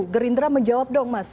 gerindra menjawab dong mas